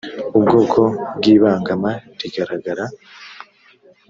ubwoko bw ibangama rigaragara